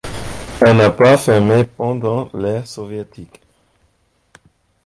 Elle n'a pas fermé pendant l'ère soviétique.